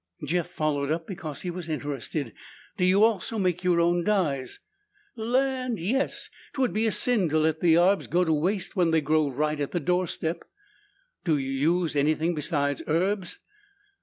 Jeff followed up because he was interested. "Do you also make your own dyes?" "Land, yes! 'Twould be a sin to let the yarbs go to waste when they grow right at the door step!" "Do you use anything besides herbs?"